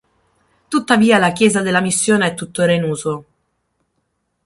Tuttavia la chiesa della missione è tuttora in uso.